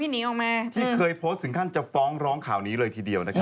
หนีออกมาที่เคยโพสต์ถึงขั้นจะฟ้องร้องข่าวนี้เลยทีเดียวนะครับ